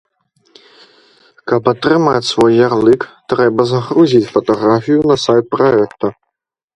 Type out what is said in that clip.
Каб атрымаць свой ярлык, трэба загрузіць фатаграфію на сайт праекта.